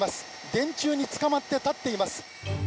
電柱につかまって立っています。